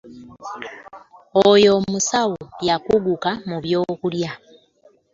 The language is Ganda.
Oyo musawo yakuguka mu by'okulya.